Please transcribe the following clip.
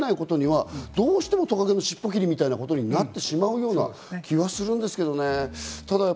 そこを調べないことにはどうしてもトカゲの尻尾切りみたいになってしまうような気はするんですけどね。